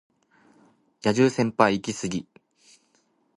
野獣先輩イキスギ